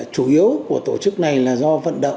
chủ yếu của tổ chức này là do vận động